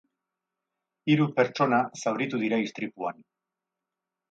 Hiru pertsona zauritu dira istripuan.